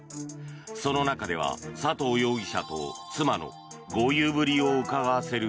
その中では佐藤容疑者と妻の豪遊ぶりをうかがわせる